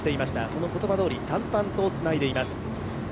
その言葉どおり、淡々とつないでいます。